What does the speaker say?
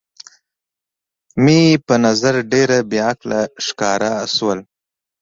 مې په نظر ډېره بې عقله ښکاره شول.